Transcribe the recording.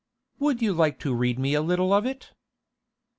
'Would you like to read me a little of it?